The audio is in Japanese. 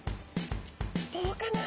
どうかな？